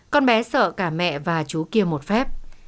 con bé sợ cả mẹ và chú kia một phép